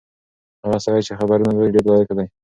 هغه سړی چې خبرونه لولي ډېر لایق دی.